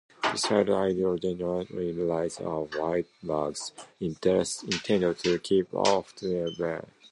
Beside the idol generally lies a white rag intended to keep off the devil.